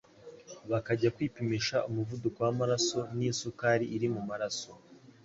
Bakajya kwipimisha Umuvuduko w'amaraso n isukari iri mu maraso,